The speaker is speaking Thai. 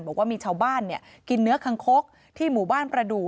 บอกว่ามีชาวบ้านกินเนื้อคังคกที่หมู่บ้านประดูก